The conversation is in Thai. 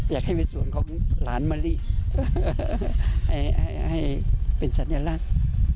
อยากให้เป็นส่วนของหลานมะลิให้เป็นสัญลักษณ์